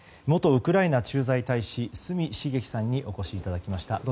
元ウクライナ駐在大使角茂樹さんにお越しいただきました。